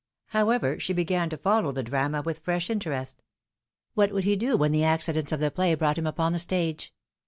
However, she began to follow the drama with fresh interest. What would he do when the accidents of the play brought him upon the stage?